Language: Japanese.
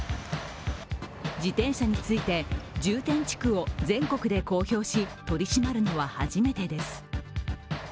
自転車について、重点地区を全国で公表し取り締まるのは初めてです。